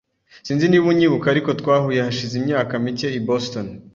Sinzi niba unyibuka, ariko twahuye hashize imyaka mike i Boston.